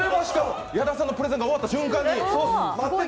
矢田さんのプレゼンが終わった瞬間に。